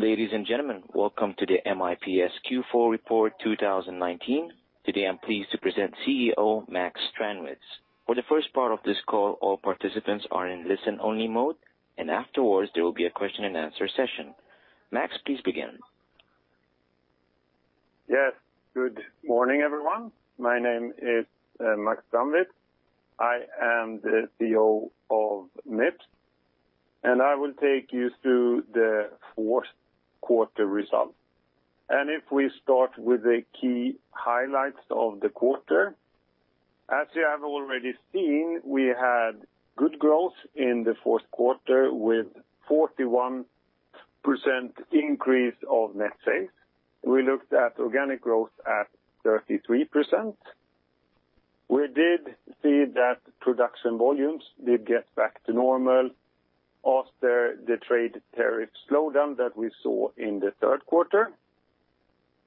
Ladies and gentlemen, welcome to the Mips Q4 Report 2019. Today, I'm pleased to present CEO Max Strandwitz. For the first part of this call, all participants are in listen-only mode, and afterwards there will be a question and answer session. Max, please begin. Yes. Good morning, everyone. My name is Max Strandwitz. I am the CEO of Mips. I will take you through the fourth quarter results. If we start with the key highlights of the quarter. As you have already seen, we had good growth in the fourth quarter with 41% increase of net sales. We looked at organic growth at 33%. We did see that production volumes did get back to normal after the trade tariff slowdown that we saw in the third quarter.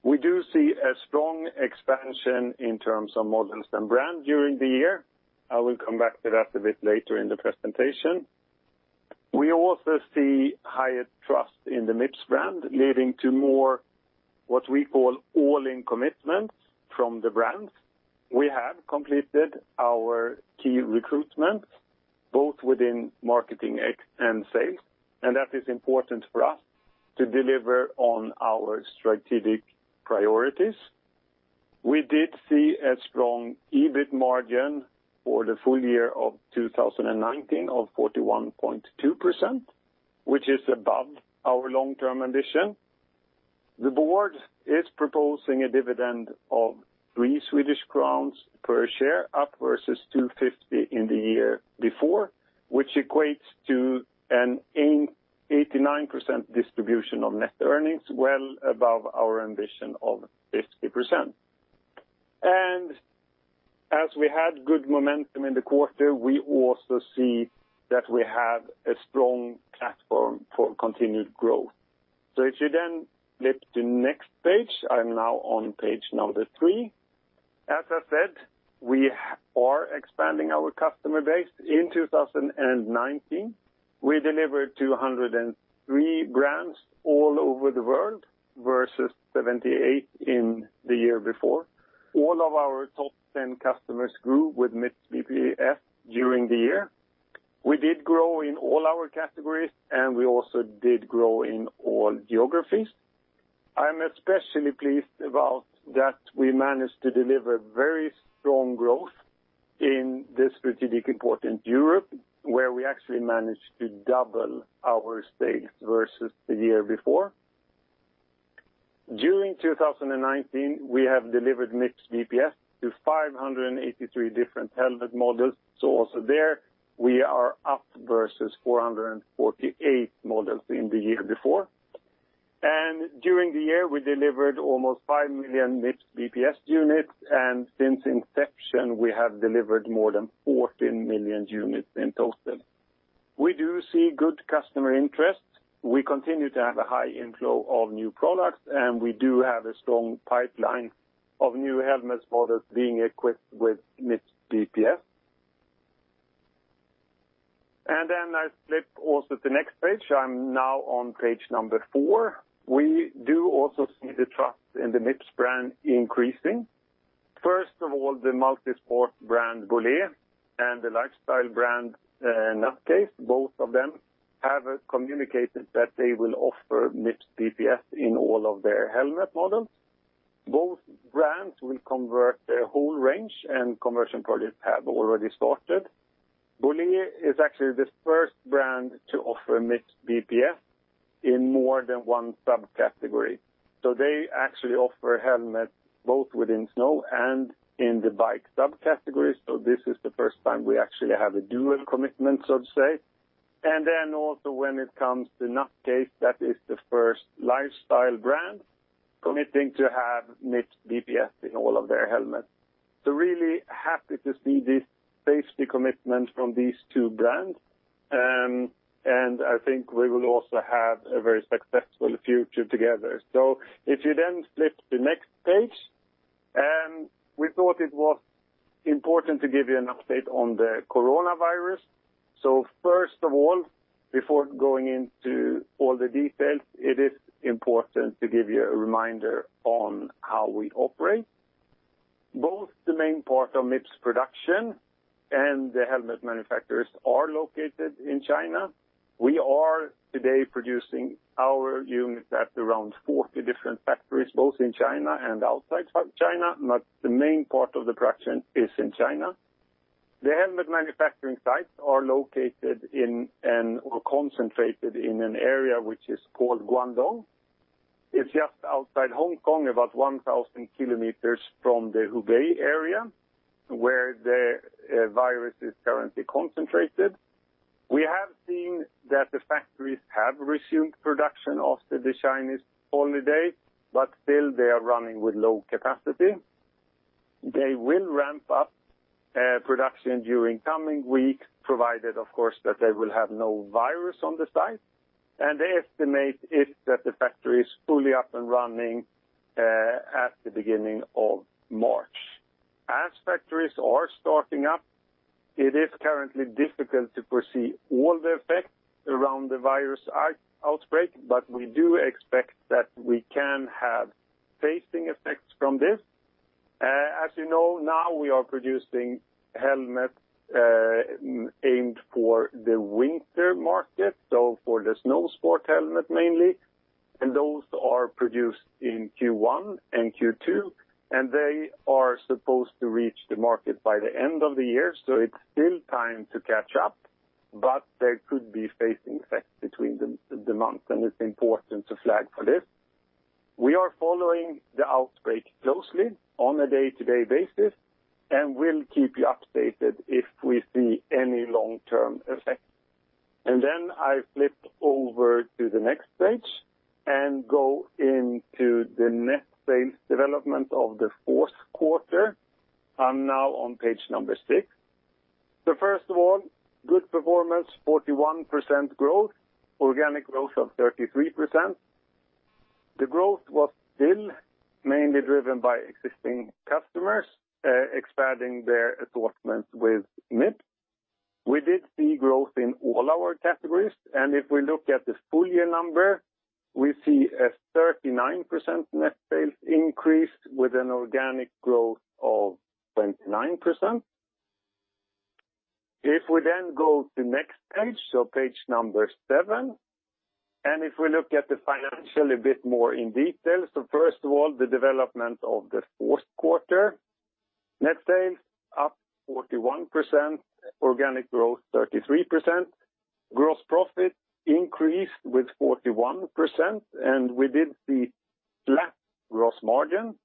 We do see a strong expansion in terms of models and brand during the year. I will come back to that a bit later in the presentation. We also see higher trust in the Mips brand, leading to more, what we call all-in commitments from the brands. We have completed our key recruitment, both within marketing and sales, that is important for us to deliver on our strategic priorities. We did see a strong EBIT margin for the full year of 2019 of 41.2%, which is above our long-term ambition. The board is proposing a dividend of 3 Swedish crowns per share up versus 250 in the year before, which equates to an 89% distribution of net earnings, well above our ambition of 50%. As we had good momentum in the quarter, we also see that we have a strong platform for continued growth. If you then flip to next page, I'm now on page number three. As I said, we are expanding our customer base. In 2019, we delivered 203 brands all over the world versus 78 in the year before. All of our top 10 customers grew with Mips BPS during the year. We did grow in all our categories, and we also did grow in all geographies. I'm especially pleased about that we managed to deliver very strong growth in the strategic important Europe, where we actually managed to double our sales versus the year before. During 2019, we have delivered Mips BPS to 583 different helmet models. Also there, we are up versus 448 models in the year before. During the year, we delivered almost 5 million Mips BPS units, and since inception, we have delivered more than 14 million units in total. We do see good customer interest. We continue to have a high inflow of new products, and we do have a strong pipeline of new helmets models being equipped with Mips BPS. I flip also to the next page. I'm now on page number four. We do also see the trust in the Mips brand increasing. First of all, the multi-sport brand Bollé and the lifestyle brand Nutcase, both of them have communicated that they will offer Mips BPS in all of their helmet models. Both brands will convert their whole range, and conversion projects have already started. Bollé is actually the first brand to offer Mips BPS in more than one subcategory. They actually offer helmets both within snow and in the bike subcategory. This is the first time we actually have a dual commitment, so to say. Also when it comes to Nutcase, that is the first lifestyle brand committing to have Mips BPS in all of their helmets. Really happy to see this safety commitment from these two brands. I think we will also have a very successful future together. If you then flip to the next page. We thought it was important to give you an update on the coronavirus. First of all, before going into all the details, it is important to give you a reminder on how we operate. Both the main part of Mips production and the helmet manufacturers are located in China. We are today producing our units at around 40 different factories, both in China and outside China, but the main part of the production is in China. The helmet manufacturing sites are located in or concentrated in an area which is called Guangdong. It's just outside Hong Kong, about 1,000 km from the Hubei area, where the virus is currently concentrated. We have seen that the factories have resumed production after the Chinese holiday, but still they are running with low capacity. They will ramp up production during coming weeks, provided, of course, that they will have no virus on the site. They estimate it that the factory is fully up and running at the beginning of March. As factories are starting up, it is currently difficult to foresee all the effects around the virus outbreak, but we do expect that we can have phasing effects from this. As you know, now we are producing helmets aimed for the winter market, so for the snow sport helmet mainly, and those are produced in Q1 and Q2, and they are supposed to reach the market by the end of the year, so it's still time to catch up, but there could be phasing effects between the months, and it's important to flag for this. We are following the outbreak closely on a day-to-day basis, and we'll keep you updated if we see any long-term effects. I flip over to the next page and go into the net sales development of the fourth quarter. I'm now on page number six. First of all, good performance, 41% growth, organic growth of 33%. The growth was still mainly driven by existing customers expanding their assortment with Mips. We did see growth in all our categories, and if we look at the full year number, we see a 39% net sales increase with an organic growth of 29%. If we then go to next page, so page number seven, and if we look at the financial a bit more in detail. First of all, the development of the fourth quarter. Net sales up 41%, organic growth 33%. Gross profit increased with 41%. We did see flat gross margin.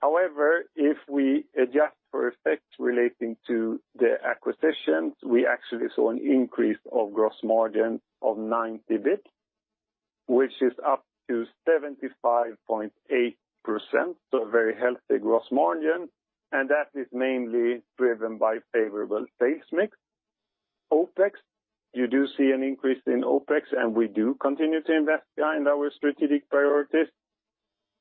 However, if we adjust for effects relating to the acquisitions, we actually saw an increase of gross margin of 90 bps, which is up to 75.8%, so a very healthy gross margin. That is mainly driven by favorable sales mix. OpEx, you do see an increase in OpEx. We do continue to invest behind our strategic priorities.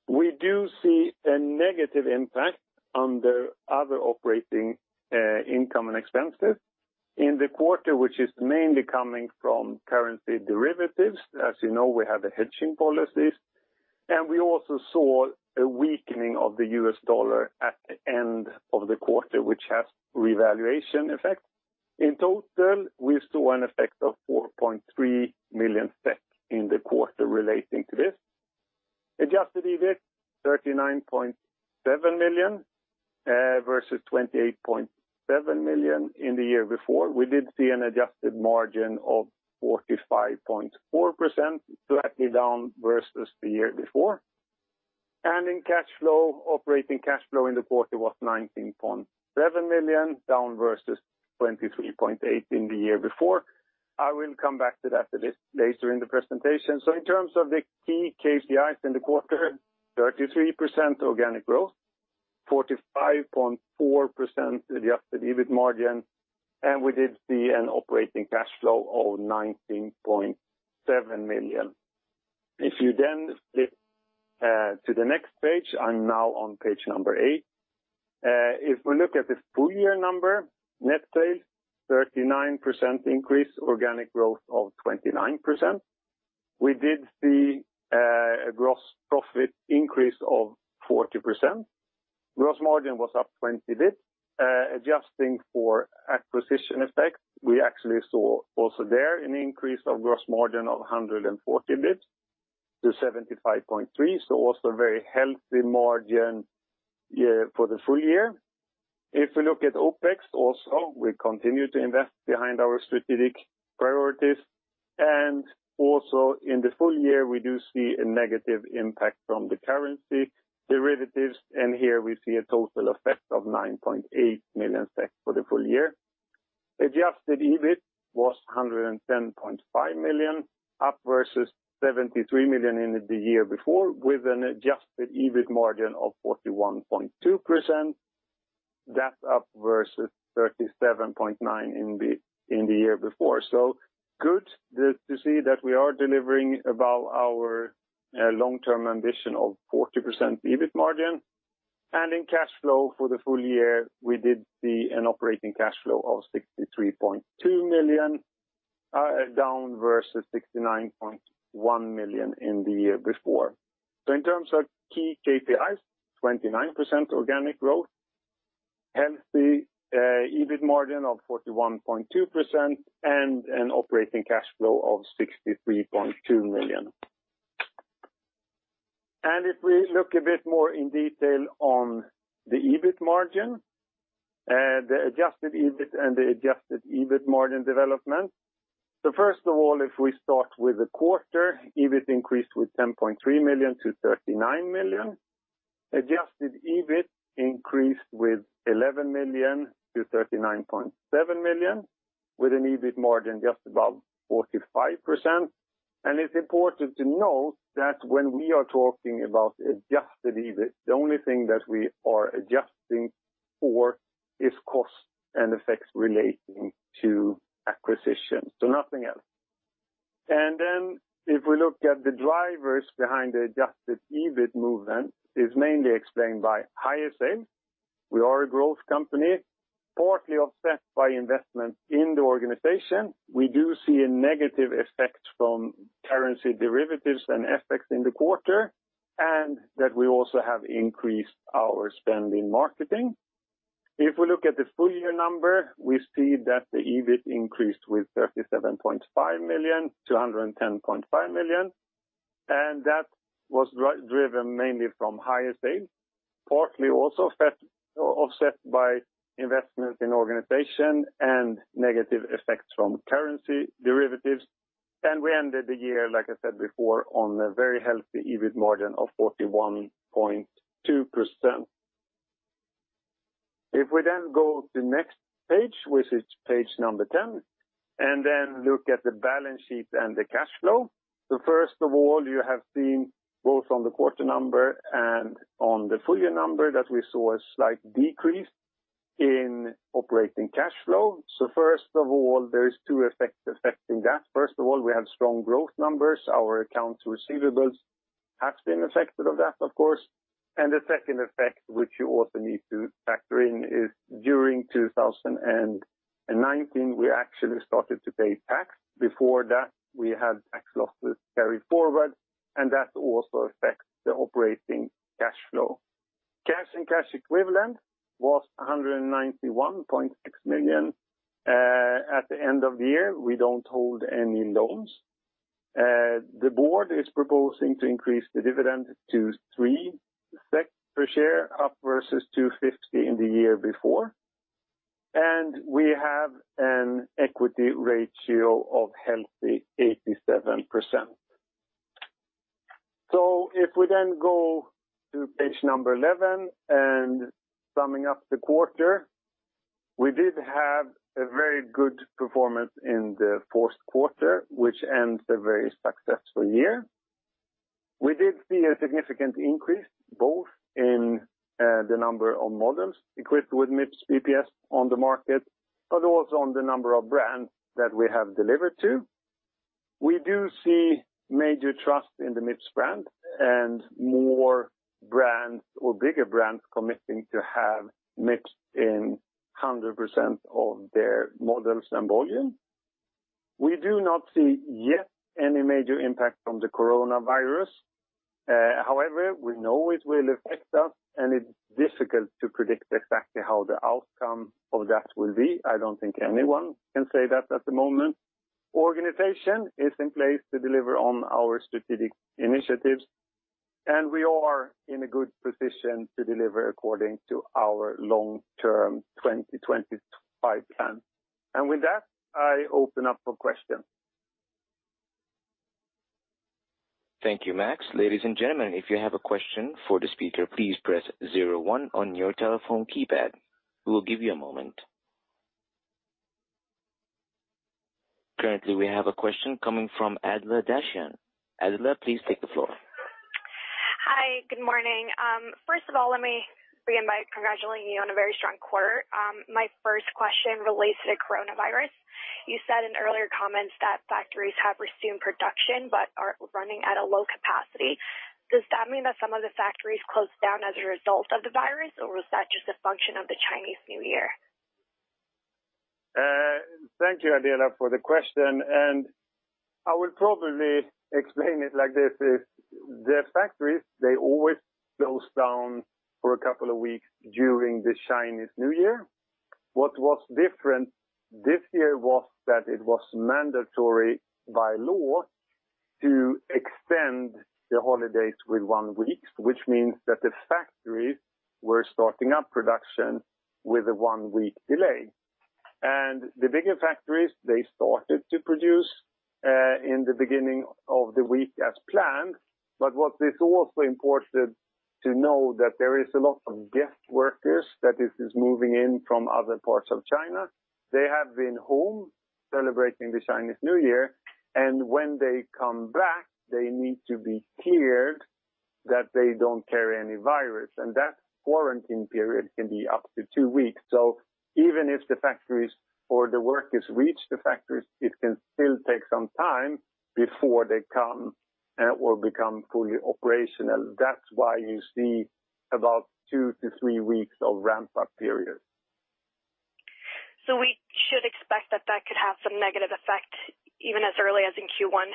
We do see a negative impact on the other operating income and expenses in the quarter, which is mainly coming from currency derivatives. As you know, we have a hedging policy. We also saw a weakening of the U.S. dollar at the end of the quarter, which has revaluation effect. In total, we saw an effect of 4.3 million in the quarter relating to this. Adjusted EBIT, 39.7 million versus 28.7 million in the year before. We did see an adjusted margin of 45.4%, slightly down versus the year before. In cash flow, operating cash flow in the quarter was 19.7 million, down versus 23.8 million in the year before. I will come back to that a bit later in the presentation. In terms of the key KPIs in the quarter, 33% organic growth, 45.4% adjusted EBIT margin, and we did see an operating cash flow of 19.7 million. If you flip to the next page, I'm now on page number eight. If we look at the full year number, net sales 39% increase, organic growth of 29%. We did see a gross profit increase of 40%. Gross margin was up 20 bps. Adjusting for acquisition effects, we actually saw also there an increase of gross margin of 140 bps to 75.3%, a very healthy margin for the full year. If we look at OpEx, also, we continue to invest behind our strategic priorities. Also in the full year, we do see a negative impact from the currency derivatives, and here we see a total effect of 9.8 million for the full year. Adjusted EBIT was 110.5 million, up versus 73 million in the year before, with an adjusted EBIT margin of 41.2%. That's up versus 37.9% in the year before. Good to see that we are delivering above our long-term ambition of 40% EBIT margin. In cash flow for the full year, we did see an operating cash flow of 63.2 million, down versus 69.1 million in the year before. In terms of key KPIs, 29% organic growth, healthy EBIT margin of 41.2%, and an operating cash flow of 63.2 million. If we look a bit more in detail on the EBIT margin, the adjusted EBIT and the adjusted EBIT margin development. First of all, if we start with the quarter, EBIT increased with 10.3 million-39 million. Adjusted EBIT increased with 11 million-39.7 million with an EBIT margin just above 45%. It's important to note that when we are talking about adjusted EBIT, the only thing that we are adjusting for is cost and effects relating to acquisitions. Nothing else. If we look at the drivers behind the adjusted EBIT movement, is mainly explained by higher sales. We are a growth company, partly offset by investment in the organization. We do see a negative effect from currency derivatives and FX in the quarter, and that we also have increased our spend in marketing. If we look at the full year number, we see that the EBIT increased with 37.5 million-110.5 million, that was driven mainly from higher sales, partly also offset by investment in organization and negative effects from currency derivatives. We ended the year, like I said before, on a very healthy EBIT margin of 41.2%. If we go to next page, which is page number 10, look at the balance sheet and the cash flow. First of all, you have seen both on the quarter number and on the full year number that we saw a slight decrease in operating cash flow. First of all, there are two effects affecting that. First of all, we have strong growth numbers. Our accounts receivables have been affected of that, of course. The second effect, which you also need to factor in, is during 2019, we actually started to pay tax. Before that, we had tax losses carried forward, and that also affects the operating cash flow. Cash and cash equivalent was 191.6 million. At the end of the year, we don't hold any loans. The board is proposing to increase the dividend to 3 SEK per share, up versus 250 in the year before. We have an equity ratio of healthy 87%. If we then go to page number 11 and summing up the quarter. We did have a very good performance in the fourth quarter, which ends a very successful year. We did see a significant increase both in the number of models equipped with Mips BPS on the market, but also on the number of brands that we have delivered to. We do see major trust in the Mips brand and more brands or bigger brands committing to have Mips in 100% of their models and volume. We do not see yet any major impact from the coronavirus. We know it will affect us, and it's difficult to predict exactly how the outcome of that will be. I don't think anyone can say that at the moment. Organization is in place to deliver on our strategic initiatives, and we are in a good position to deliver according to our long-term 2025 plan. With that, I open up for questions. Thank you, Max. Ladies and gentlemen, if you have a question for the speaker, please press zero one on your telephone keypad. We will give you a moment. Currently, we have a question coming from Adela Dashian. Adela, please take the floor. Hi. Good morning. First of all, let me begin by congratulating you on a very strong quarter. My first question relates to the coronavirus. You said in earlier comments that factories have resumed production but are running at a low capacity. Does that mean that some of the factories closed down as a result of the virus, or was that just a function of the Chinese New Year? Thank you, Adela, for the question. I will probably explain it like this. The factories, they always close down for a couple of weeks during the Chinese New Year. What was different this year was that it was mandatory by law to extend the holidays with one week, which means that the factories were starting up production with a one-week delay. The bigger factories, they started to produce in the beginning of the week as planned. What is also important to know that there is a lot of guest workers that is moving in from other parts of China. They have been home celebrating the Chinese New Year, and when they come back, they need to be cleared that they don't carry any virus, and that quarantine period can be up to two weeks. Even if the factories or the workers reach the factories, it can still take some time before they come or become fully operational. That's why you see about two to three weeks of ramp-up period. We should expect that that could have some negative effect even as early as in Q1?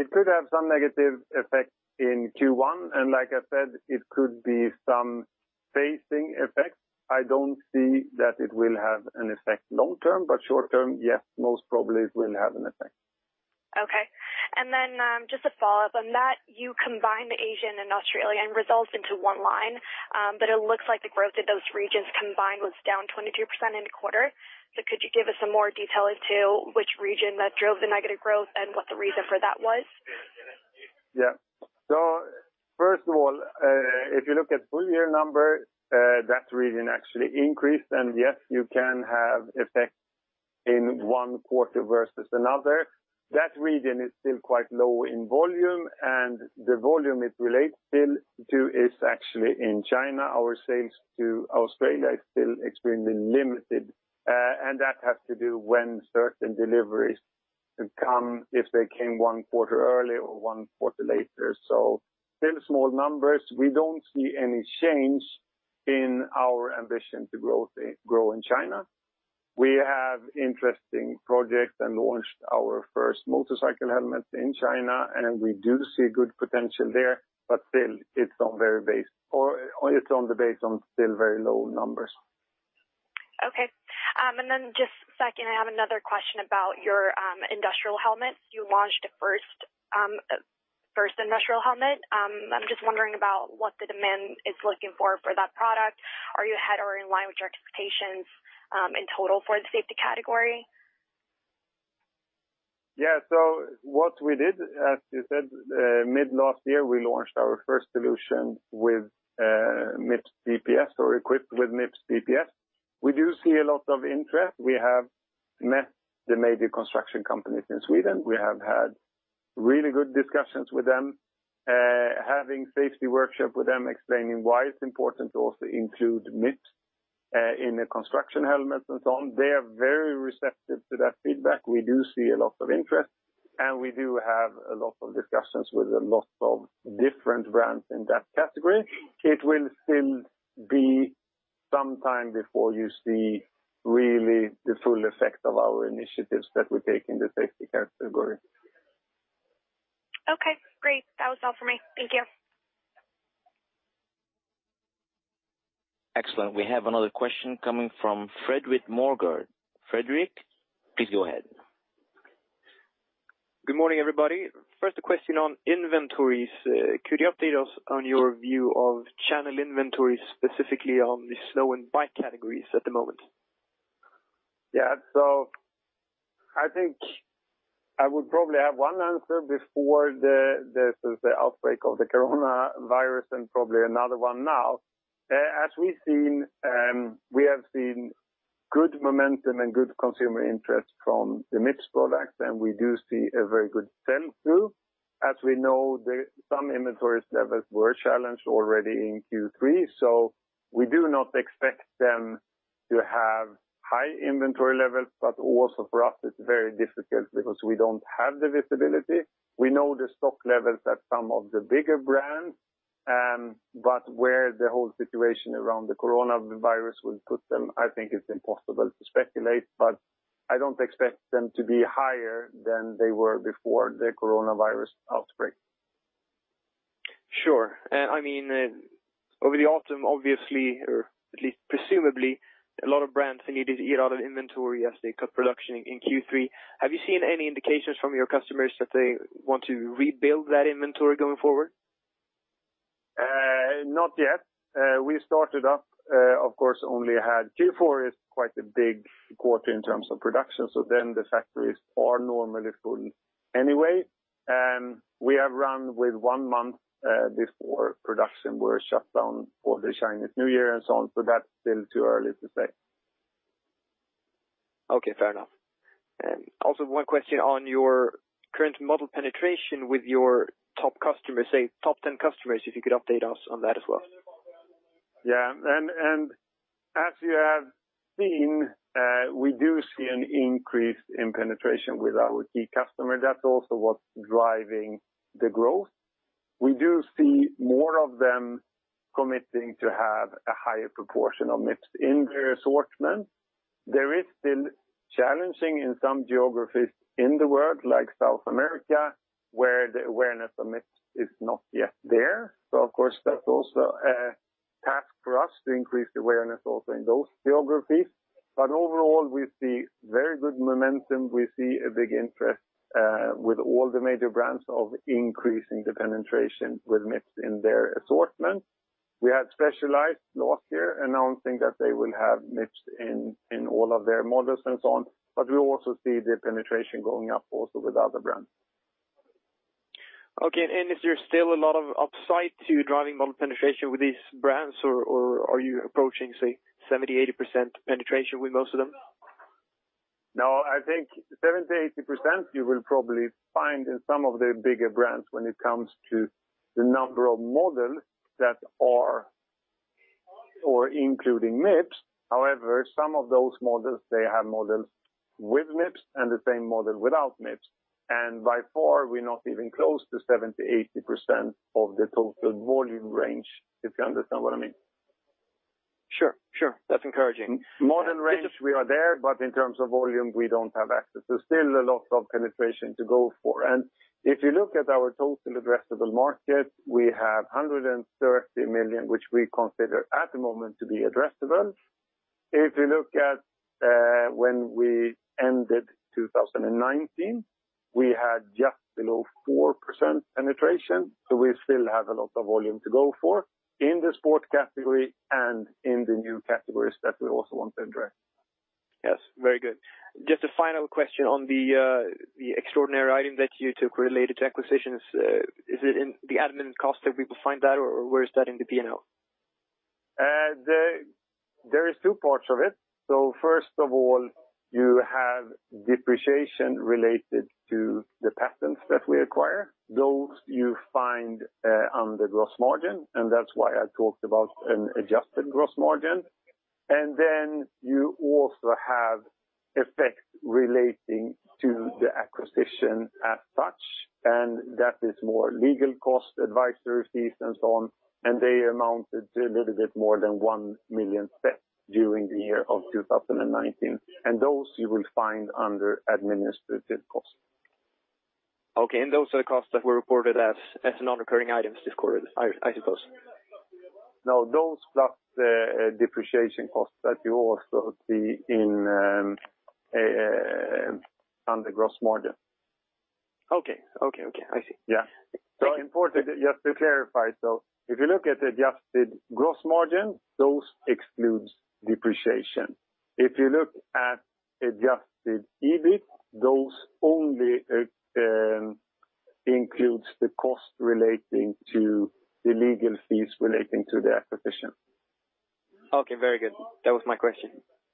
It could have some negative effect in Q1, and like I said, it could be some phasing effects. I don't see that it will have an effect long term, but short term, yes, most probably it will have an effect. Okay. Just a follow-up on that. You combined the Asian and Australian results into one line. It looks like the growth in those regions combined was down 22% in the quarter. Could you give us some more detail as to which region that drove the negative growth and what the reason for that was? Yeah. First of all, if you look at full year number, that region actually increased. Yes, you can have effect in one quarter versus another. That region is still quite low in volume, and the volume it relates still to is actually in China. Our sales to Australia is still extremely limited, and that has to do when certain deliveries come, if they came one quarter early or one quarter later. Still small numbers. We don't see any change in our ambition to grow in China. We have interesting projects and launched our first motorcycle helmets in China, and we do see good potential there, but still it's on the base on still very low numbers. Okay. Just second, I have another question about your industrial helmets. You launched the first industrial helmet. I'm just wondering about what the demand is looking for that product. Are you ahead or in line with your expectations in total for the safety category? Yeah. What we did, as you said, mid last year, we launched our first solution with Mips BPS or equipped with Mips BPS. We do see a lot of interest. We have met the major construction companies in Sweden. We have had really good discussions with them, having safety workshop with them, explaining why it's important to also include Mips in the construction helmets and so on. They are very receptive to that feedback. We do see a lot of interest, and we do have a lot of discussions with a lot of different brands in that category. It will still be some time before you see really the full effect of our initiatives that we take in the safety category. Okay, great. That was all for me. Thank you. Excellent. We have another question coming from Fredrik Mogren. Fredrik, please go ahead. Good morning, everybody. First, a question on inventories. Could you update us on your view of channel inventories, specifically on the snow and bike categories at the moment? I think I would probably have one answer before the outbreak of the coronavirus and probably another one now. We have seen good momentum and good consumer interest from the Mips products, and we do see a very good sell-through. As we know, some inventory levels were challenged already in Q3, so we do not expect them to have high inventory levels, but also for us, it's very difficult because we don't have the visibility. We know the stock levels at some of the bigger brands, but where the whole situation around the coronavirus will put them, I think it's impossible to speculate, but I don't expect them to be higher than they were before the coronavirus outbreak. Sure. Over the autumn, obviously, or at least presumably, a lot of brands needed to eat out of inventory as they cut production in Q3. Have you seen any indications from your customers that they want to rebuild that inventory going forward? Not yet. We started up, of course, only had Q4 is quite a big quarter in terms of production, the factories are normally full anyway. We have run with one month before production were shut down for the Chinese New Year and so on, that's still too early to say. Okay, fair enough. One question on your current model penetration with your top customers, say top 10 customers, if you could update us on that as well. Yeah. As you have seen, we do see an increase in penetration with our key customer. That's also what's driving the growth. We do see more of them committing to have a higher proportion of Mips in their assortment. There is still challenging in some geographies in the world, like South America, where the awareness of Mips is not yet there. Of course, that's also a task for us to increase the awareness also in those geographies. Overall, we see very good momentum. We see a big interest with all the major brands of increasing the penetration with Mips in their assortment. We had Specialized last year announcing that they will have Mips in all of their models and so on, but we also see the penetration going up also with other brands. Okay. Is there still a lot of upside to driving model penetration with these brands or are you approaching, say, 70%, 80% penetration with most of them? No, I think 70%-80%, you will probably find in some of the bigger brands when it comes to the number of models that are including Mips. However, some of those models, they have models with Mips and the same model without Mips. By far, we're not even close to 70%-80% of the total volume range, if you understand what I mean. Sure. That's encouraging. More than range we are there, but in terms of volume, we don't have access. There's still a lot of penetration to go for. If you look at our total addressable market, we have 130 million, which we consider at the moment to be addressable. If you look at when we ended 2019, we had just below 4% penetration. We still have a lot of volume to go for in the sport category and in the new categories that we also want to address. Yes, very good. Just a final question on the extraordinary item that you took related to acquisitions. Is it in the admin cost that we could find that, or where is that in the P&L? There is two parts of it. First of all, you have depreciation related to the patents that we acquire. Those you find under gross margin, and that's why I talked about an adjusted gross margin. Then you also have effects relating to the acquisition as such, and that is more legal cost, advisory fees, and so on, and they amounted to a little bit more than 1 million during the year of 2019. Those you will find under administrative costs. Okay, those are the costs that were reported as non-recurring items this quarter, I suppose. No, those plus the depreciation costs that you also see under gross margin. Okay. I see. Yeah. Important, just to clarify. If you look at adjusted gross margin, those excludes depreciation. If you look at adjusted EBIT, those only includes the cost relating to the legal fees relating to the acquisition. Okay, very good. That was my question.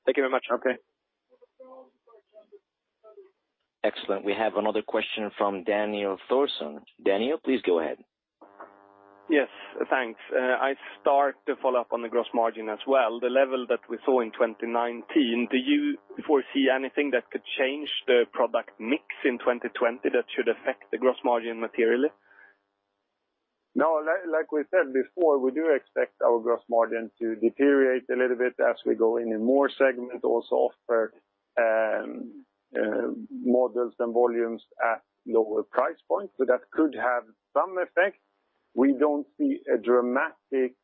Thank you very much. Okay. Excellent. We have another question from Daniel Thorsson. Daniel, please go ahead. Yes, thanks. I start to follow up on the gross margin as well, the level that we saw in 2019. Do you foresee anything that could change the product mix in 2020 that should affect the gross margin materially? No, like we said before, we do expect our gross margin to deteriorate a little bit as we go in more segment, also offer models and volumes at lower price points. That could have some effect. We don't see a dramatic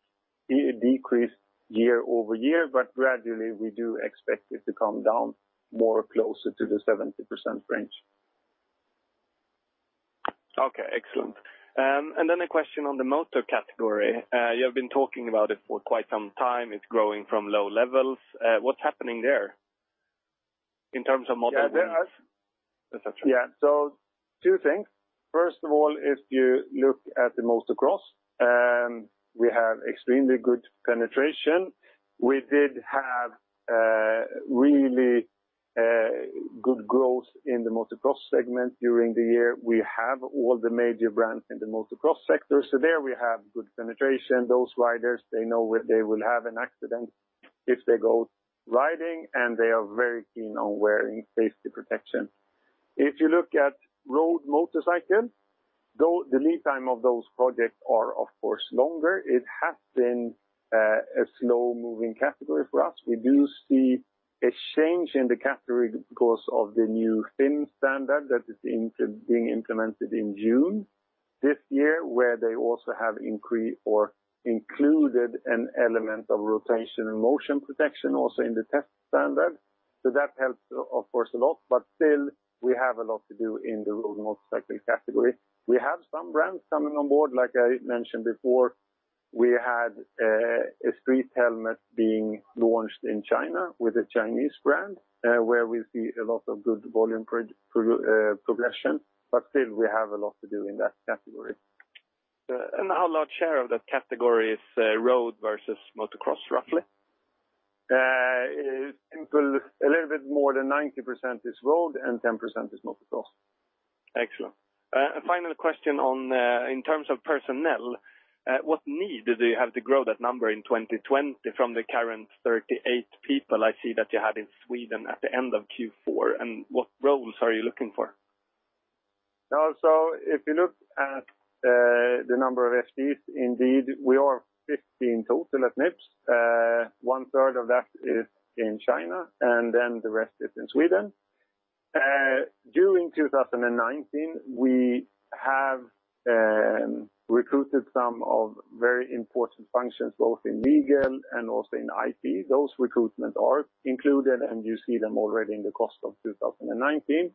decrease year-over-year, but gradually we do expect it to come down more closer to the 70% range. Okay, excellent. A question on the motor category. You have been talking about it for quite some time. It's growing from low levels. What's happening there in terms of motor et cetera? Two things. First of all, if you look at the motocross, we have extremely good penetration. We did have really good growth in the motocross segment during the year. We have all the major brands in the motocross sector, so there we have good penetration. Those riders, they know they will have an accident if they go riding, and they are very keen on wearing safety protection. If you look at road motorcycles, the lead time of those projects are of course longer. It has been a slow moving category for us. We do see a change in the category because of the new FIM standard that is being implemented in June this year, where they also have increased or included an element of rotation and motion protection also in the test standard. That helps of course a lot, but still we have a lot to do in the road motorcycle category. We have some brands coming on board, like I mentioned before. We had a street helmet being launched in China with a Chinese brand, where we see a lot of good volume progression. Still we have a lot to do in that category. How large share of that category is road versus motocross, roughly? A little bit more than 90% is road and 10% is motocross. Excellent. Final question in terms of personnel, what need do you have to grow that number in 2020 from the current 38 people I see that you had in Sweden at the end of Q4, and what roles are you looking for? If you look at the number of FTEs, indeed we are 15 total at Mips. One third of that is in China, and then the rest is in Sweden. During 2019, we have recruited some of very important functions, both in legal and also in IP. Those recruitment are included, and you see them already in the cost of 2019.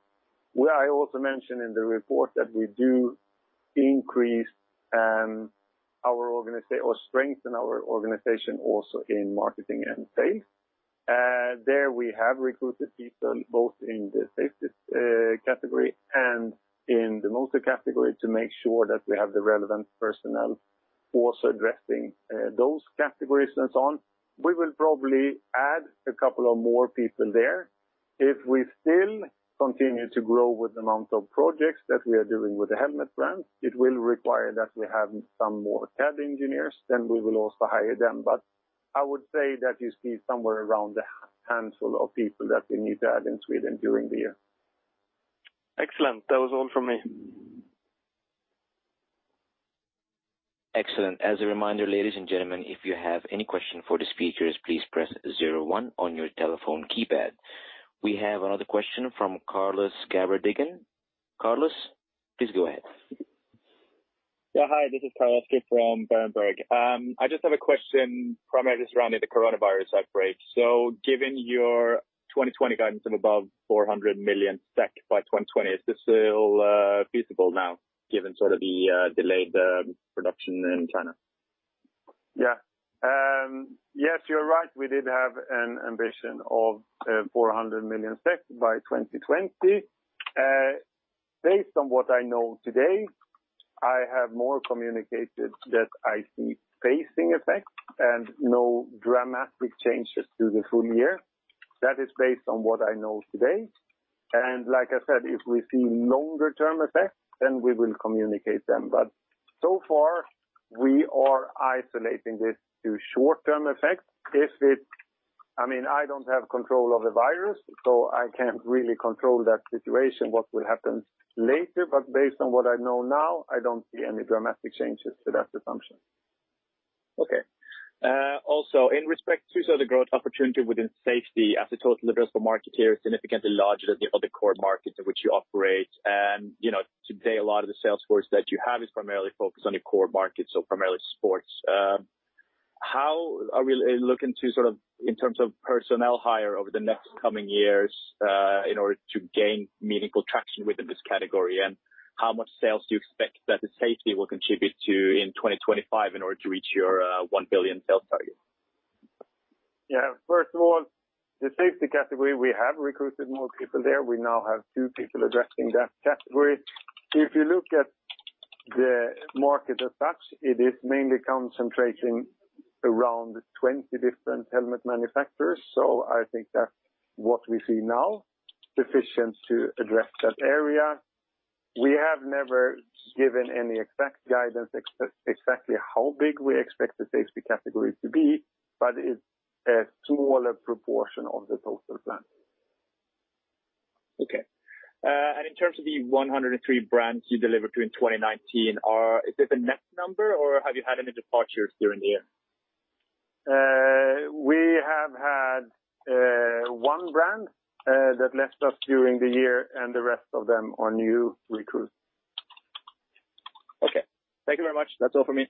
Where I also mentioned in the report that we do increase or strengthen our organization also in marketing and sales. There we have recruited people both in the safety category and in the motor category to make sure that we have the relevant personnel also addressing those categories and so on. We will probably add a couple of more people there. We still continue to grow with the amount of projects that we are doing with the helmet brands, it will require that we have some more CAD engineers. We will also hire them. I would say that you see somewhere around a handful of people that we need to add in Sweden during the year. Excellent. That was all from me. Excellent. As a reminder, ladies and gentlemen, if you have any question for the speakers, please press zero one on your telephone keypad. We have another question from Carlos Gabaldon. Carlos, please go ahead. Yeah. Hi, this is Carlos from Berenberg. I just have a question primarily surrounding the coronavirus outbreak. Given your 2020 guidance of above 400 million SEK by 2020, is this still feasible now given sort of the delayed production in China? Yeah. Yes, you're right. We did have an ambition of 400 million by 2020. Based on what I know today, I have more communicated that I see pacing effects and no dramatic changes to the full year. That is based on what I know today. Like I said, if we see longer-term effects, then we will communicate them. So far, we are isolating this to short-term effects. I don't have control of the coronavirus, so I can't really control that situation, what will happen later. Based on what I know now, I don't see any dramatic changes to that assumption. Okay. In respect to the growth opportunity within safety, as the total addressable market here is significantly larger than the other core markets in which you operate, today a lot of the sales force that you have is primarily focused on your core markets, so primarily sports. How are we looking in terms of personnel hire over the next coming years, in order to gain meaningful traction within this category? How much sales do you expect that the safety will contribute to in 2025 in order to reach your 1 billion sales target? Yeah. First of all, the safety category, we have recruited more people there. We now have two people addressing that category. If you look at the market as such, it is mainly concentrating around 20 different helmet manufacturers. I think that what we see now, sufficient to address that area. We have never given any exact guidance exactly how big we expect the safety category to be, but it's a smaller proportion of the total plan. Okay. In terms of the 103 brands you delivered during 2019, is it a net number, or have you had any departures during the year? We have had one brand that left us during the year, and the rest of them are new recruits. Okay. Thank you very much. That's all for me.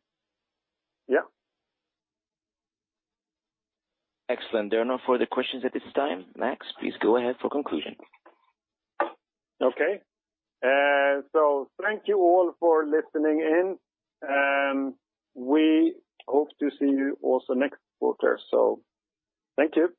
Yeah. Excellent. There are no further questions at this time. Max, please go ahead for conclusion. Thank you all for listening in. We hope to see you also next quarter. Thank you.